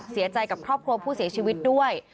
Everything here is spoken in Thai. เสียใจกับครอบครัวผู้เสียชีวิตด้วย